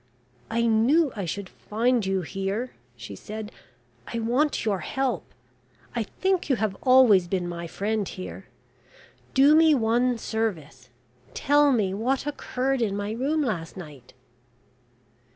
"I knew I should find you here," she said. "I want your help. I think you have always been my friend here. Do me one service. Tell me what occurred in my room last night."